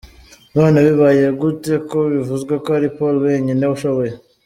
None bibaye gute ko bivuzwe ko ari Paul wenyine ushoboye!!??